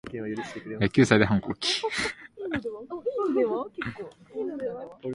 九歳で反抗期